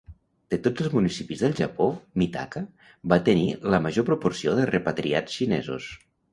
De tots els municipis del Japó, Mitaka va tenir la major proporció de repatriats xinesos.